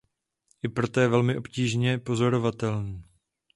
I proto je velmi obtížně pozorovatelný.